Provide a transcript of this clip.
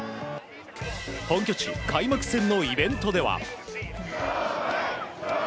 本拠地開幕戦のイベントでは。